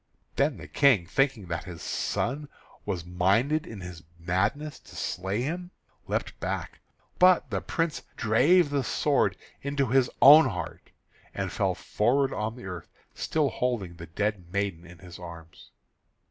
Then the King, thinking that his son was minded in his madness to slay him, leapt back, but the Prince drave the sword into his own heart, and fell forward on the earth, still holding the dead maiden in his arms.